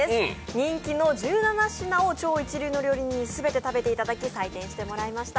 人気の１７品を超一流の料理人に全て食べていただき採点してもらいました。